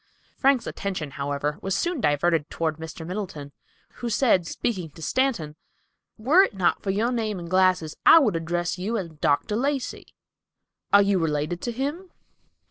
Frank's attention was, however, soon diverted toward Mr. Middleton, who said, speaking to Stanton, "Were it not for your name and glasses, I would address you as Dr. Lacey. Are you related to him?"